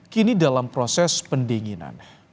kini dalam proses pendinginan